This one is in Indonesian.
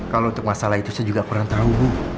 kalau untuk masalah itu saya juga kurang tahu bu